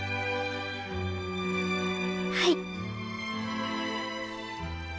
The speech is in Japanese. はい。